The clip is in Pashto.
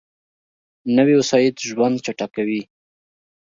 نوې وسایط ژوند چټک کوي